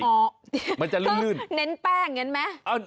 เน้นแป้งอย่างนั้นไหม